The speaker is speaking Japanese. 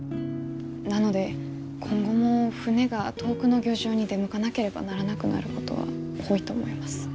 なので今後も船が遠くの漁場に出向かなければならなくなることは多いと思います。